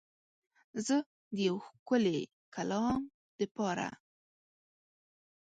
زه د یو ښکلی کلام دپاره